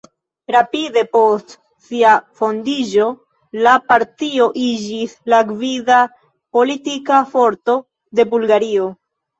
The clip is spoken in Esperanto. Rapide post sia fondiĝo la partio iĝis la gvida politika forto de Bulgario.